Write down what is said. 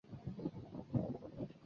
比朗人口变化图示